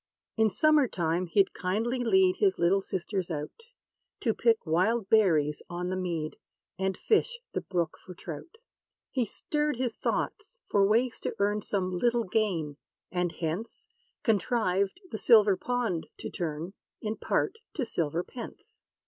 In summer time he'd kindly lead His little sisters out, To pick wild berries on the mead, And fish the brook for trout. He stirred his thoughts for ways to earn Some little gain; and hence, Contrived the silver pond to turn. In part, to silver pence.